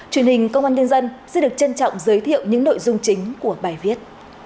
truyền hình công an nhân dân xin được trân trọng giới thiệu những nội dung chính của bài viết